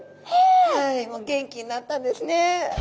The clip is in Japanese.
はいもう元気になったんですね。